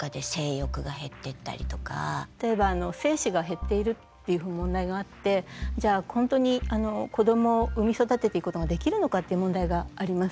例えば精子が減っているっていう問題があってじゃあ本当に子どもを産み育てていくことができるのかっていう問題があります。